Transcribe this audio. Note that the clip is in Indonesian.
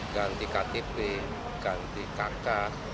ganti ktp ganti kk